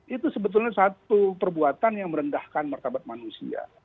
itu sebetulnya satu perbuatan yang merendahkan martabat manusia